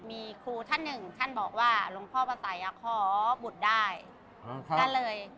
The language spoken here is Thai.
มีครูท่านหนึ่งท่านบอกว่าหลวงพ่อพระสัยอ่ะขอบุตรได้ก็เลย